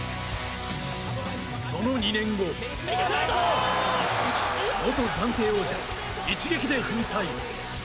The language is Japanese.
その２年後元暫定王者を一撃で粉砕。